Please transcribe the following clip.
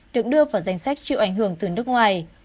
được đưa vào danh sách chịu ảnh hưởng từ nước ngoài